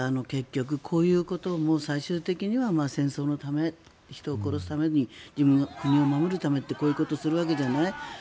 結局、こういうことも最終的には戦争のため、人を殺すために自分の国を守るためってこういうことをするわけじゃない。